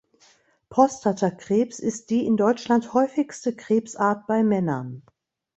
Prostatakrebs ist die in Deutschland häufigste Krebsart bei Männern.